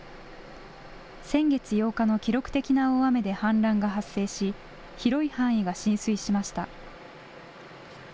先月８日の記録的な大雨で氾濫が発生し広い範囲が浸水しました。